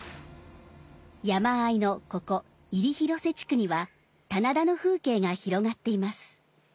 山あいのここ入広瀬地区には棚田の風景が広がっています。